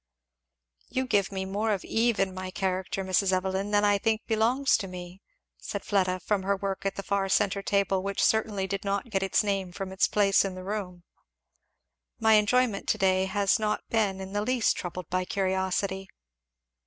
"You give me more of Eve in my character, Mrs. Evelyn, than I think belongs to me," said Fleda from her work at the far centre table, which certainly did not get its name from its place in the room. "My enjoyment to day has not been in the least troubled by curiosity."